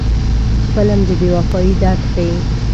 فلم د بې وفایۍ درد ښيي